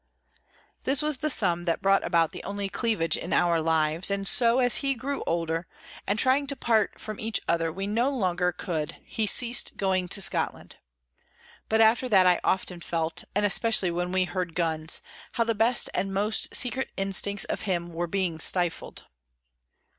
This was the sum that brought about the only cleavage in our lives; and so, as he grew older, and trying to part from each other we no longer could, he ceased going to Scotland. But after that I often felt, and especially when we heard guns, how the best and most secret instincts of him were being stifled.